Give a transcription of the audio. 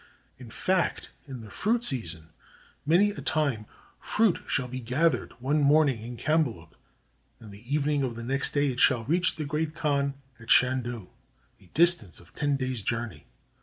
(In fact, in the fruit season many a time fruit shall be gathered one morning in Cambaluc, and the evening of the next day it shall reach the Great Khan at Chandu, a distance of ten days' journey.